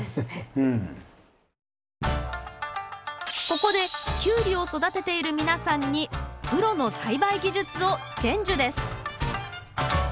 ここでキュウリを育てている皆さんにプロの栽培技術を伝授です